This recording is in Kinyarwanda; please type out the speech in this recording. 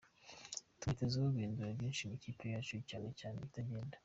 Tumwitezeho guhindura byinshi mu ikipi yacu cyane cyane ibitagenda.